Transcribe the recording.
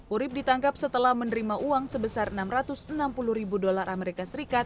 urib ditangkap setelah menerima uang sebesar enam ratus enam puluh ribu dolar as